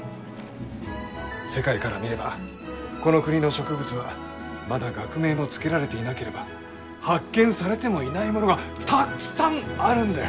世界から見ればこの国の植物はまだ学名も付けられていなければ発見されてもいないものがたっくさんあるんだよ！